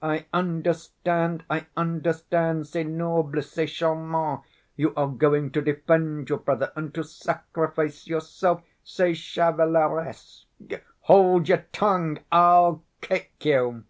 "I understand, I understand, c'est noble, c'est charmant, you are going to defend your brother and to sacrifice yourself ... C'est chevaleresque." "Hold your tongue, I'll kick you!"